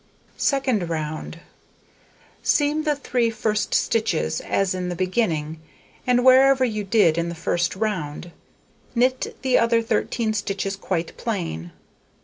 Second round: Seam the 3 first stitches, as at the beginning, and wherever you did in the first round; knit the other 13 stitches quite plain.